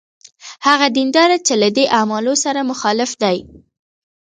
هغه دینداره چې له دې اعمالو سره مخالف دی.